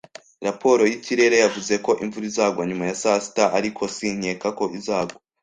Raporo y’ikirere yavuze ko imvura izagwa nyuma ya saa sita, ariko sinkeka ko izagwa.